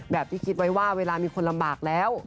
ที่คิดไว้ว่าเวลามีคนลำบากแล้ว